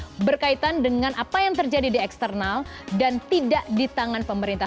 jadi kita bisa melihat berkaitan dengan apa yang terjadi di eksternal dan tidak di tangan pemerintah